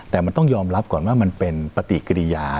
แต่มันต้องยอมรับก่อนว่ามันเป็นปฏิกิริยา